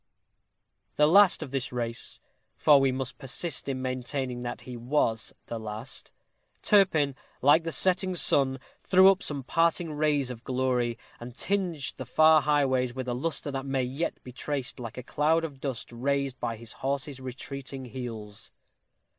The last of this race for we must persist in maintaining that he was the last , Turpin, like the setting sun, threw up some parting rays of glory, and tinged the far highways with a luster that may yet be traced like a cloud of dust raised by his horse's retreating heels.